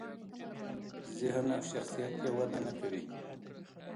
ذهن او شخصیت یې وده نکوي.